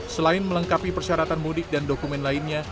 selain melengkapi persyaratan mudik dan dokumen lainnya